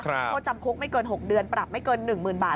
โทษจำคุกไม่เกิน๖เดือนปรับไม่เกิน๑๐๐๐บาท